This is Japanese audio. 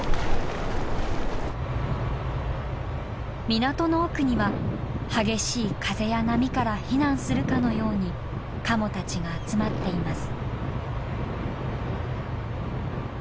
港の奥には激しい風や波から避難するかのようにカモたちが集まっています。